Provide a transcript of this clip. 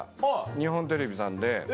日本テレビさんで。